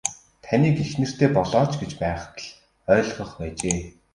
Таныг эхнэрээ болооч гэж байхад л ойлгох байжээ.